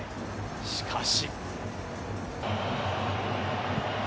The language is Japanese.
しかし。